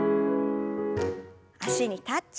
脚にタッチ。